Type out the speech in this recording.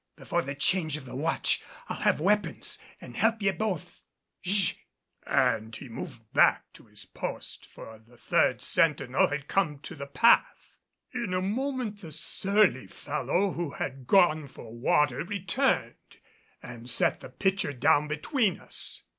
Before the change of the watch, I'll have weapons an' help ye both. Sh " and he moved back to his post, for the third sentinel had come to the path. In a moment the surly fellow who had gone for water returned, and set the pitcher down between us.